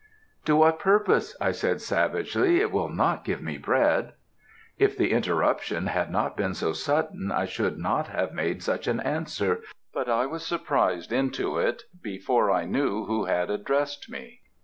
"'To what purpose,' I said savagely, 'It will not give me bread!' "If the interruption had not been so sudden, I should not have made such an answer, but I was surprised into it before I knew who had addressed me.